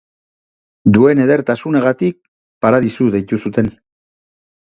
Duen edertasunagatik paradisu deitu zuten.